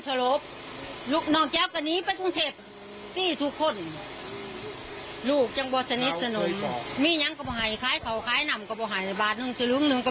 สอบถามน้องสาวของผู้ตายบอกว่าหลังรู้ข่าวก็รีบ